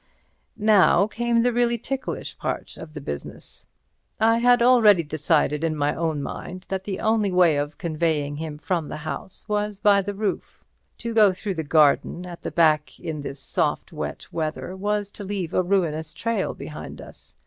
Now came the really ticklish part of the business. I had already decided in my own mind that the only way of conveying him from the house was by the roof. To go through the garden at the back in this soft wet weather was to leave a ruinous trail behind us.